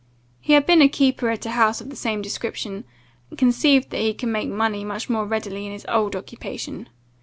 He had been a keeper at a house of the same description, and conceived that he could make money much more readily in his old occupation.